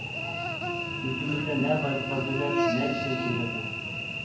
ئىلكىمىزدە نە بايلىقى بار دۆلەت، نە ئىشلەمچى مىللەت يوق.